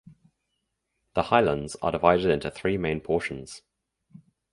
The highlands are divided into three main portions.